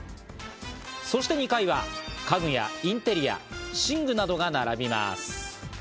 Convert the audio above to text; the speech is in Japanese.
そして２階は家具やインテリア、寝具などが並びます。